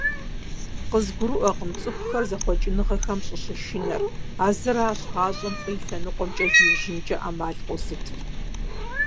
КъызгурыӀуэркъым цӀыхухэр зэхъуэкӀыныгъэхэм щӀыщышынэр, а зыращ гъащӀэм фӏы и лъэнукъуэкӏэ зиужьынкӏэ Ӏэмал къозытыр.